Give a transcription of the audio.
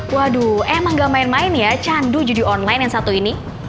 waduh emang gak main main ya candu judi online yang satu ini